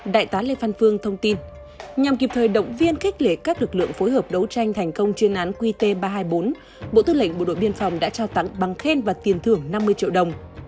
đại tá lê phan phương thông tin nhằm kịp thời động viên khích lệ các lực lượng phối hợp đấu tranh thành công chuyên án qt ba trăm hai mươi bốn bộ tư lệnh bộ đội biên phòng đã trao tặng bằng khen và tiền thưởng năm mươi triệu đồng